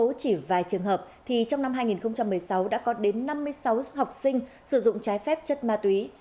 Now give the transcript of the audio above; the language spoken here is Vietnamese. trong số chỉ vài trường hợp trong năm hai nghìn một mươi sáu đã có đến năm mươi sáu học sinh sử dụng trái phép chất ma túy